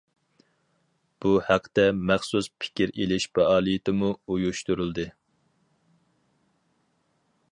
بۇ ھەقتە مەخسۇس پىكىر ئېلىش پائالىيىتىمۇ ئۇيۇشتۇرۇلدى.